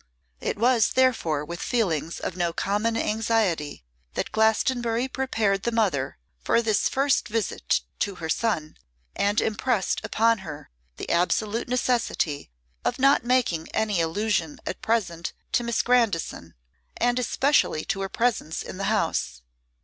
It was therefore with feelings of no common anxiety that Glastonbury prepared the mother for this first visit to her son, and impressed upon her the absolute necessity of not making any allusion at present to Miss Grandison, and especially to her presence in the house.